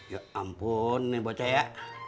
ya ampun ini baca ya